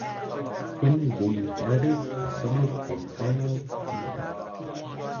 Quinn was born in Harraby, a suburb of Carlisle, Cumbria.